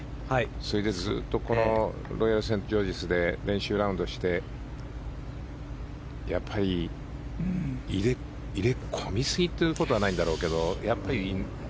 それでずっとロイヤルセントジョージズで練習ラウンドをして入れ込みすぎということはないんだろうけど。